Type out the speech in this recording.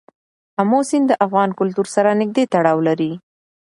آمو سیند د افغان کلتور سره نږدې تړاو لري.